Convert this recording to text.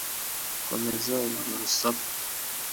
komeza urwo rusaku